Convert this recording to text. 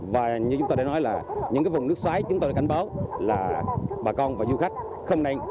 và như chúng tôi đã nói là những vùng nước xoáy chúng tôi đã cảnh báo là bà con và du khách không nên